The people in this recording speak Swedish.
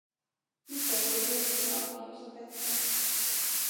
Nu sover vi ett slag, sade Petter.